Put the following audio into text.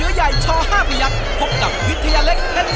เสื้อใหญ่ชอห้าพระยักษ์พบกับวิทยาเล็กทั้ง๔๐๐๐๐